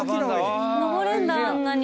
登れんだあんなに。